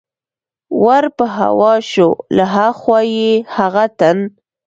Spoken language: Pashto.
ور په هوا شو، له ها خوا یې هغه تن.